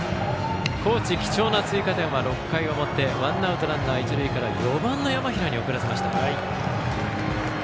高知、貴重な追加点は６回の表ワンアウトランナー、一塁から４番の山平に送らせました。